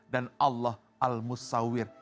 dan allah al musawwir